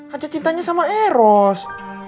aja cintanya sama eros